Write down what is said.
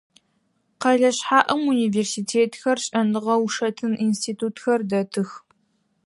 Къэлэ шъхьаӏэм университетхэр, шӏэныгъэ-ушэтын институтхэр дэтых.